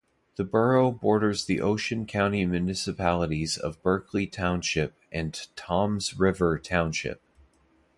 The borough borders the Ocean County municipalities of Berkeley Township and Toms River Township.